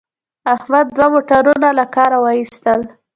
احمد دوه موټرونه له کاره و ایستل.